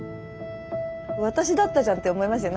私だったじゃんって思いますよ